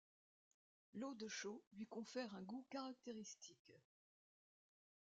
L'eau de chaux lui confère un goût caractéristique.